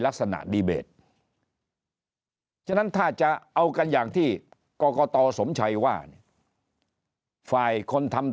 ลักษณะดีเบสถ้าจะเอากันอย่างที่กตสมชัยว่าฝ่ายคนทำ